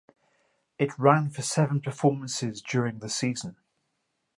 It ran for seven performances during the season.